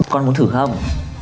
con muốn thử không